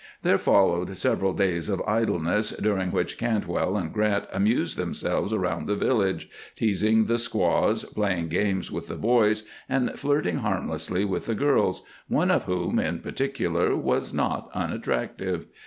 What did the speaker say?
There followed several days of idleness, during which Cantwell and Grant amused themselves around the village, teasing the squaws, playing games with the boys, and flirting harmlessly with the girls, one of whom, in particular, was not unattractive.